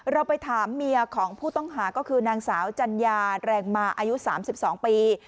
เราไปถามเมียของผู้ต้องหาก็คือนางสาวจัญญาแรงมาอายุ๓๒ปี